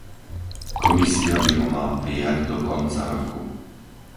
Komisia by ho mala prijať do konca roku.